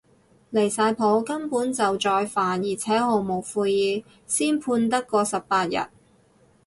離晒譜，根本就再犯而且毫無悔意，先判得嗰十八日